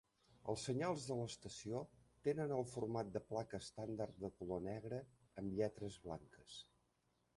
Els senyals de l'estació tenen el format de placa estàndard de color negre amb lletres blanques.